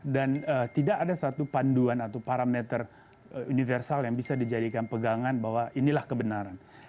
dan tidak ada satu panduan atau parameter universal yang bisa dijadikan pegangan bahwa inilah kebenaran